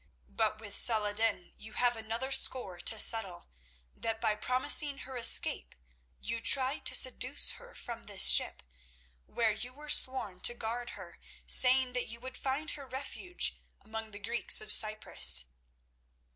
But with Salah ed din you have another score to settle—that by promising her escape you tried to seduce her from this ship, where you were sworn to guard her, saying that you would find her refuge among the Greeks of Cyprus."